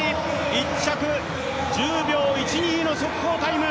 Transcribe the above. １着１０秒１２の速報タイム。